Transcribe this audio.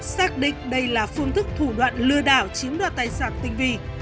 xác định đây là phương thức thủ đoạn lừa đảo chiếm đoạt tài sản tình vì